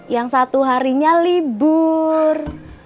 yang satu harinya libur